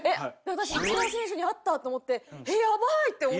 私イチロー選手に会ったと思ってえっやばい！と思って。